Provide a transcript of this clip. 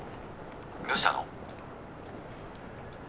どうしたの？